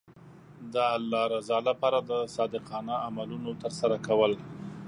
د الله رضا لپاره د صادقانه عملونو ترسره کول.